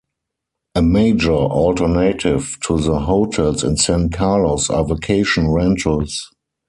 A major alternative to the hotels in San Carlos are vacation rentals.